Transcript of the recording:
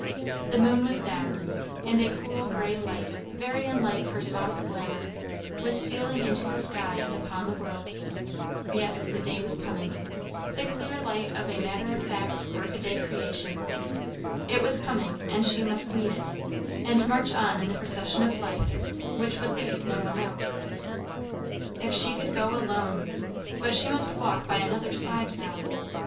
The moon was down, and a cool grey light, very unlike her soft glamour, was stealing into the sky and upon the world. Yes, the day was coming; the clear light of a matter of fact, work a day creation. It was coming, and she must meet it, and march on in the procession of life, which would leave no one out. If she could go alone! But she must walk by another's side now.